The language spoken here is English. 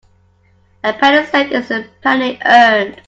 A penny saved is a penny earned.